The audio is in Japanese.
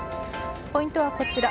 ポイントはこちら。